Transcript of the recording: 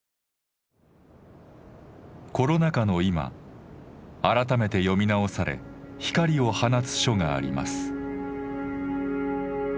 コロナ禍の今改めて読み直され光を放つ書があります。